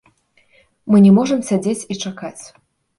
Мы не можам сядзець і чакаць.